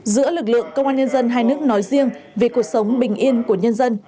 giữa lực lượng công an nhân dân hai nước nói riêng vì cuộc sống bình yên của nhân dân